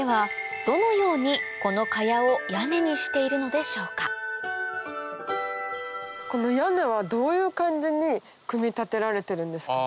ではこの屋根はどういう感じに組み立てられてるんですか？